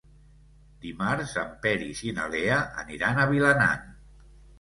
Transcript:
Dimarts en Peris i na Lea aniran a Vilanant.